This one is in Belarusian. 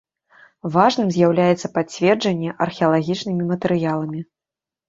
Важным з'яўляецца пацверджанне археалагічнымі матэрыяламі.